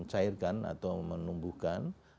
mencairkan atau menumbuhkan